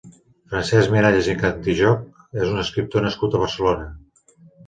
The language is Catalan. Francesc Miralles i Contijoch és un escriptor nascut a Barcelona.